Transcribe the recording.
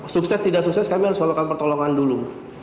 sukses tidak sukses kami harus melakukan pertolongan dulu